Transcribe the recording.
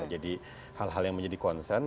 jadi hal hal yang menjadi concern